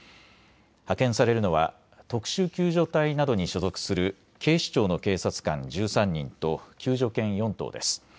派遣されるのは特殊救助隊などに所属する警視庁の警察官１３人と救助犬４頭です。